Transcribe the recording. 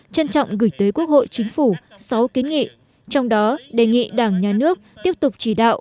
trân trọng gửi tới quốc hội chính phủ sáu kiến nghị trong đó đề nghị đảng nhà nước tiếp tục chỉ đạo